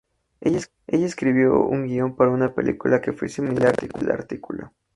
Ella escribió un guion para una película que fue similar a la del artículo.